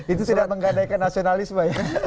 itu tidak menggadaikan nasionalisme ya